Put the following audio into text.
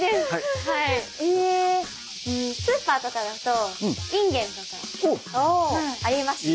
うんスーパーとかだとインゲンとかありますね。